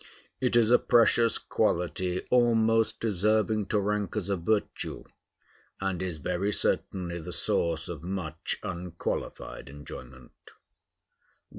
It is a precious quality, almost deserving to rank as a virtue, and is very certainly the source of much unqualified enjoyment.